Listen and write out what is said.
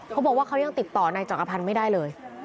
เขาบอกว่าเขายังติดต่อนายจักรพันธ์ไม่ได้เลย